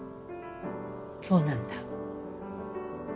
そうなんだ。